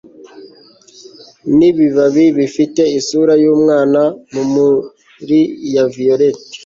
Nibibabi bifite isura yumwana mumuri ya violet